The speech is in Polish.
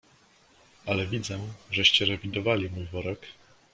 "Ale widzę, żeście rewidowali mój worek?"